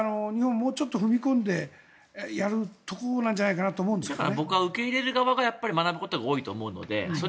もうちょっと踏み込んでやるところなんじゃないかと思うんですよね。